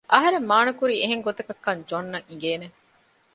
އަހަރެން މާނަ ކުރީ އެހެން ގޮތަކަށް ކަން ޖޮން އަށް އިނގޭނެ